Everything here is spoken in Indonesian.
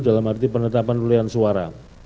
dalam arti penetapan pelian suara